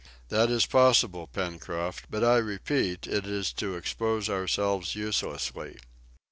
"That is possible, Pencroft; but I repeat it is to expose ourselves uselessly."